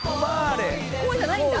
「こうじゃないんだ」